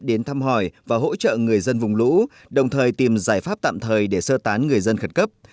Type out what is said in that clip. đến thăm hỏi và hỗ trợ người dân vùng lũ đồng thời tìm giải pháp tạm thời để sơ tán người dân khẩn cấp